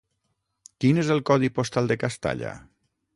Quin és el codi postal de Castalla?